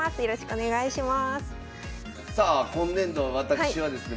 お願いします。